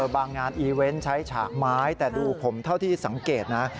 งานอีเวนต์ใช้ฉากไม้แต่ดูผมเท่าที่สังเกตนะ